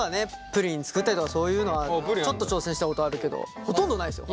プリン作ったりとかそういうのはちょっと挑戦したことあるけどほとんどないですよ。